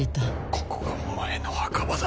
ここがお前の墓場だ。